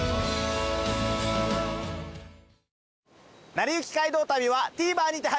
『なりゆき街道旅』はＴＶｅｒにて配信中です。